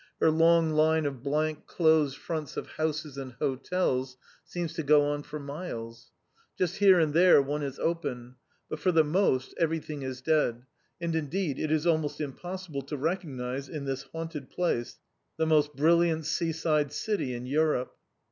Her long line of blank, closed fronts of houses and hotels seems to go on for miles. Just here and there one is open. But for the most, everything is dead; and indeed, it is almost impossible to recognise in this haunted place the most brilliant seaside city in Europe.